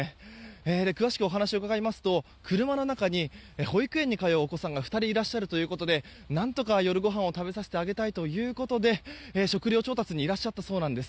詳しくお話を伺いますと車の中に保育園に通うお子さんが２人いらっしゃるということで何とか夜ごはんを食べさせてあげたいということで食料調達にいらっしゃったそうなんです。